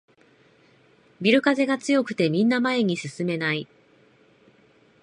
ビル風が強くてみんな前に進めない